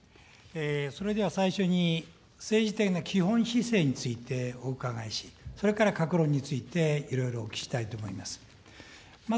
それでは最初に、政治への基本姿勢についてお伺いし、それから各論についていろいろお聞きしたいと思います。